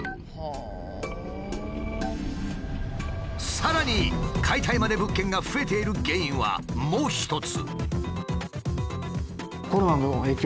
さらに解体まで物件が増えている原因はもう一つ。